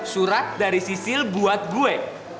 surat dari sisil buat gue